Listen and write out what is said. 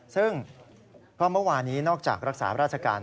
ซึ่งก็เมื่อวานี้นอกจากรักษาราชการ